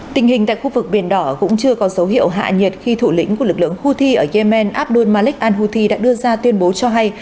tình hình tại khu vực biển đỏ cũng chưa có dấu hiệu hạ nhiệt khi thủ lĩnh của lực lượng houthi ở yemen abdul malik al houthi đã đưa ra tuyên bố cho hay